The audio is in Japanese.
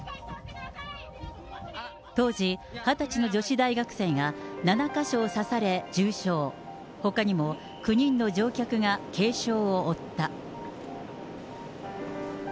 当時、２０歳の女子大学生が７か所を刺され重傷、ほかにも９人の乗客が軽傷を負った。